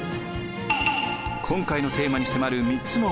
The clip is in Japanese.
今回のテーマに迫る３つのポイントは。